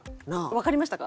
わかりましたか？